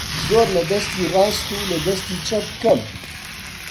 زۆر لە دەستی ڕاست لە دەستی چەپ کەم